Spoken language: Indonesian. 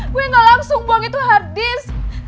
gue gak langsung buang itu hard disk